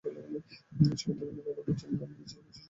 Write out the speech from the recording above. সমুদ্রপীড়া এড়াবার জন্য আমি নিজেই কিছু চিকিৎসা করেছিলাম।